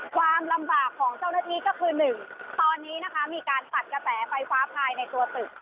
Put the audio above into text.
ความลำบากของเจ้าหน้าที่ก็คือ๑ตอนนี้นะคะมีการตัดกระแสไฟฟ้าภายในตัวตึก